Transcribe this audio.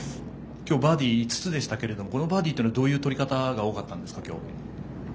今日バーディー５つでしたけどもこのバーディーというのはどういう取り方が多かったんですか？